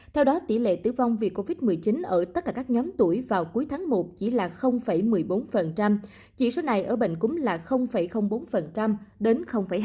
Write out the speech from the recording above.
theo đó tỷ lệ tử vong vì covid một mươi chín ở tất cả các nhóm tuổi vào cuối tháng một chỉ là một mươi bốn chỉ số này ở bệnh cúm là bốn đến hai